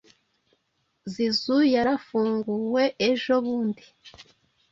zizou yarafunguweejo bundi